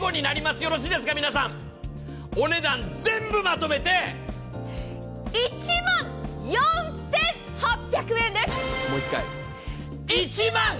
よろしいですか、皆さん。お値段全部まとめて１万４８００円です。